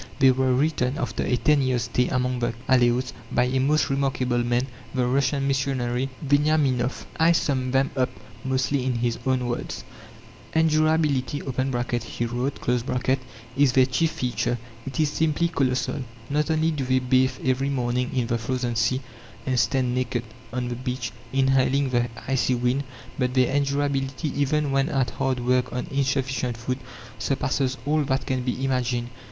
They were written, after a ten years' stay among the Aleoutes, by a most remarkable man the Russian missionary, Veniaminoff. I sum them up, mostly in his own words: Endurability (he wrote) is their chief feature. It is simply colossal. Not only do they bathe every morning in the frozen sea, and stand naked on the beach, inhaling the icy wind, but their endurability, even when at hard work on insufficient food, surpasses all that can be imagined.